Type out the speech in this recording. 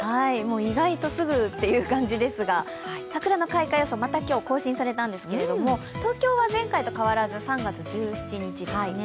意外とすぐっていう感じですが、桜の開花予想また今日更新されたんですけど東京は前回と変わらず３月１７日ですね。